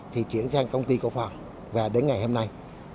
thì chuyển sang công ty cổ phần và đến ngày hôm nay